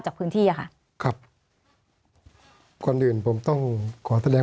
สวัสดีครับทุกคน